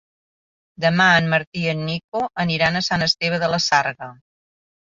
Demà en Martí i en Nico aniran a Sant Esteve de la Sarga.